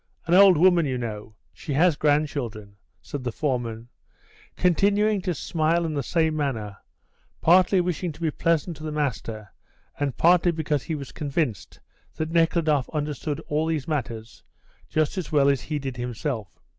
An old woman, you know; she has grandchildren," said the foreman, continuing to smile in the same manner, partly wishing to be pleasant to the master, and partly because he was convinced that Nekhludoff understood all these matters just as well as he did himself.